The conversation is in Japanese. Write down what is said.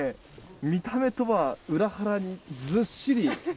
見た目とは裏腹に、ずっしり。